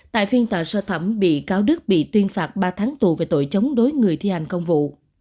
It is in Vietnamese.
tại phiên tòa sơ thẩm bị cáo đức bị tuyên phạt ba tháng tù về tội chống đối người thi hành công vụ